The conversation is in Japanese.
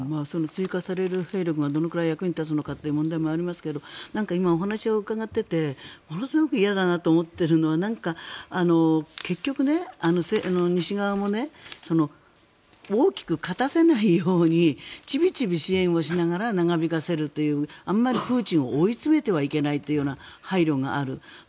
追加される兵力がどのくらい役に立つかという問題もありますけど今、お話を伺っていてものすごく嫌だなと思っているので結局、西側もね大きく勝たせないようにちびちび支援をしながら長引かせるというあまりプーチンを追い詰めてはいけないというような配慮がある。